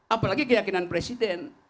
apalagi keyakinan presiden